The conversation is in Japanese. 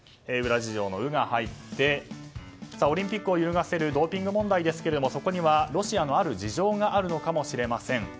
ウラ事情の「ウ」が入ってオリンピックを揺るがせるドーピング問題ですがそこにはロシアのある事情があるのかもしれません。